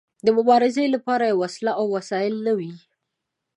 د مبارزې لپاره يې وسله او وسايل نه وي.